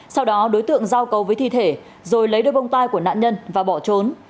sau đó đối tượng giao cầu với thi thể rồi lấy đôi bông tai của nạn nhân và bỏ trốn